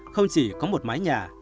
không chỉ có một mái nhà